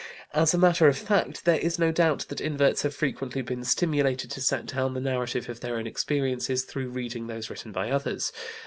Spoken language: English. As a matter of fact, there is no doubt that inverts have frequently been stimulated to set down the narrative of their own experiences through reading those written by others.